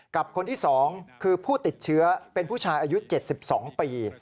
กับคนที่๒คือผู้ติดเชื้อเป็นผู้ชายอายุ๗๒ปี